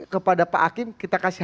kepada pak hakim kita kasih